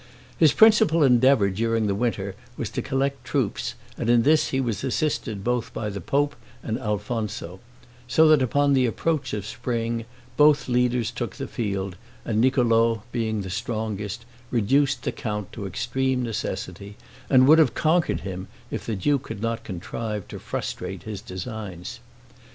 His principal endeavor during the winter was to collect troops, and in this he was assisted both by the pope and Alfonso; so that, upon the approach of spring, both leaders took the field, and Niccolo, being the strongest, reduced the count to extreme necessity, and would have conquered him if the duke had not contrived to frustrate his designs.